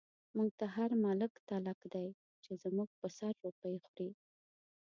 موږ ته هر ملک تلک دی، چۍ زموږ په سر روپۍ خوری